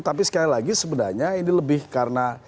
tapi sekali lagi sebenarnya ini lebih karena